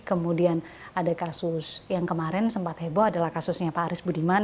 kemudian ada kasus yang kemarin sempat heboh adalah kasusnya pak aris budiman